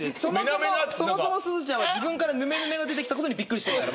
そもそもすずちゃんは自分から「ヌメヌメ」が出てきたことにびっくりしてんだからもう。